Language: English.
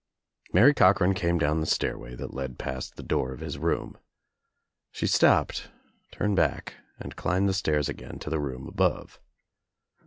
Mary Cochran came down the stairway that led past the door of his room. ' She stopped, turned back and climbed the stairs again to the room above.